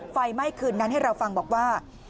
ไฟไหม้คืนนั้นให้เราฟังบอกว่า